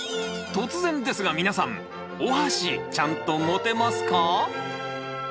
突然ですが皆さん！おはしちゃんと持てますか？